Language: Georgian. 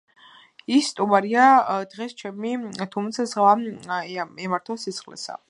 ის სტუმარია დღეს ჩემი თუმც ზღვა ემართოს სისხლისა